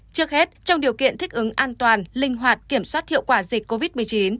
trước hết trong điều kiện thích ứng an toàn linh hoạt kiểm soát hiệu quả dịch covid một mươi chín